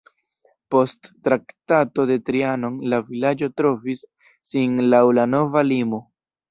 Post Traktato de Trianon la vilaĝo trovis sin laŭ la nova limo.